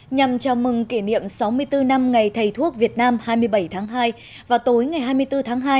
nhằm chào mừng kỷ niệm sáu mươi bốn năm ngày thầy thuốc việt nam hai mươi bảy tháng hai và tối ngày hai mươi bốn tháng hai